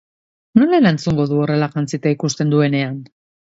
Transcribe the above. Nola erantzungo du horrela jantzita ikusten duenean?